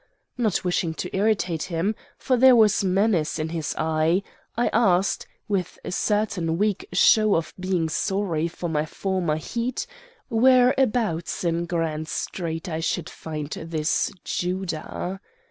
Not wishing to irritate him, for there was menace in his eye, I asked, with a certain weak show of being sorry for my former heat, whereabouts in Grand Street I should find this Judah.